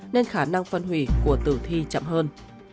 nên khả năng phân hủy của tử thi chậm hơn